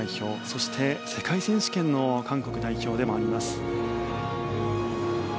そして世界選手権の韓国代表でもあります。